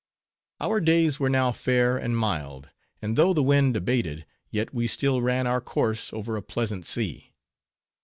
Our days were now fair and mild, and though the wind abated, yet we still ran our course over a pleasant sea.